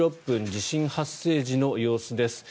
地震発生時の様子です。